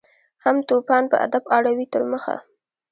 هم توپان په ادب اړوي تر مخه